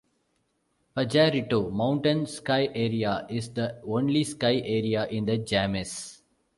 Pajarito Mountain Ski Area is the only ski area in the Jemez.